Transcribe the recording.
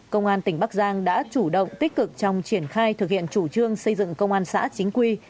công an tỉnh bắc giang đã chủ động tích cực trong triển khai thực hiện chủ trương xây dựng công an xã chính quy